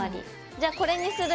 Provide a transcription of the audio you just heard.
じゃこれにする。